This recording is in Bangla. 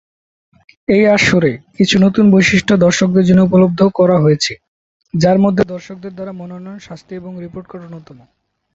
এই আসরে, কিছু নতুন বৈশিষ্ট্য দর্শকদের জন্য উপলব্ধ করা হয়েছে; যার মধ্যে দর্শকদের দ্বারা মনোনয়ন, শাস্তি এবং রিপোর্ট কার্ড অন্যতম।